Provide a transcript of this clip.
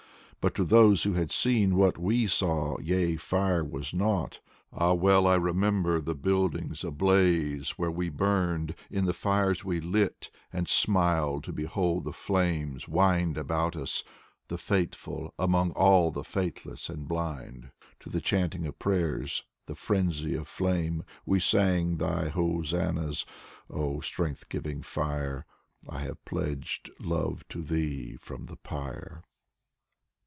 But to those who had seen what we saw Yea, Fire was naught. Ah, well I remember The buildings ablaze where we burned In the fires we lit, and smiled to behold the flames wind About us, the faithful, among all the faithless and blind. To the chanting of prayers, the frenzy of flame. We sang thy hosannahs, oh strength giving Fire: I pledged love to thee from the pyre